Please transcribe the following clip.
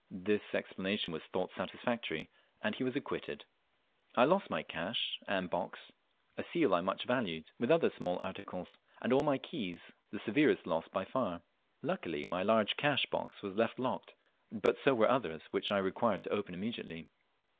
_ This explanation was thought satisfactory, and he was acquitted. I lost my cash and my box, a seal I much valued, with other small articles, and all my keys the severest loss by far. Luckily my large cash box was left locked, but so were others which I required to open immediately.